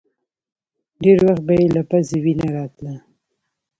ډېر وخت به يې له پزې وينه راتله.